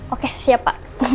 oke siap pak